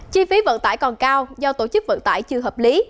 chi phí vận tải còn cao do tổ chức vận tải chưa hợp lý